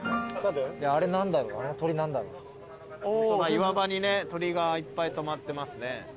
岩場にね鳥がいっぱい止まってますね。